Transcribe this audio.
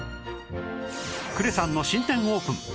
呉さんの新店オープン。